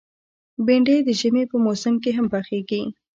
بېنډۍ د ژمي په موسم کې هم پخېږي